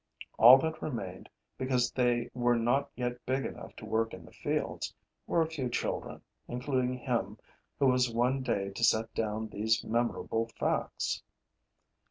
All that remained, because they were not yet big enough to work in the fields, were a few children, including him who was one day to set down these memorable facts.